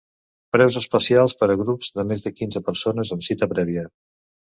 Preus especials per a grups de més de quinze persones, amb cita prèvia.